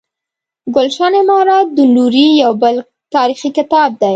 ګلشن امارت د نوري یو بل تاریخي کتاب دی.